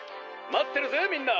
まってるぜみんな！」。